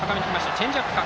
チェンジアップか。